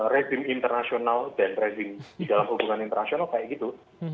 rezim internasional dan rezim di dalam hubungan internasional kayak gitu